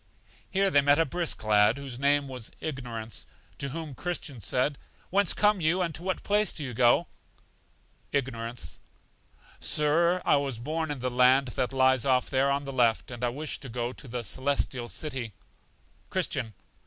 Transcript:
Here they met a brisk lad, whose name was Ignorance, to whom Christian said: Whence come you, and to what place do you go? Ignorance. Sir, I was born in the land that lies off there on the left, and I wish to go to The Celestial City. Christian.